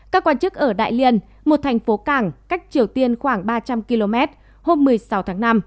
các quan chức ở đại liên một thành phố cảng cách triều tiên khoảng ba trăm linh km hôm một mươi sáu tháng năm